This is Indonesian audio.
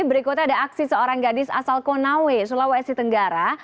berikutnya ada aksi seorang gadis asal konawe sulawesi tenggara